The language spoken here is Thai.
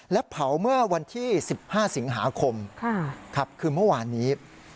และเผาเมื่อวันที่๑๕สิงหาคมครับคือเมื่อวานนี้